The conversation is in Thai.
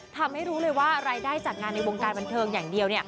ทำให้รู้เลยว่ารายได้จากงานในวงการบันเทิงอย่างเดียว